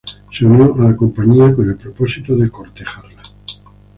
Se unió a la compañía con el propósito de cortejarla.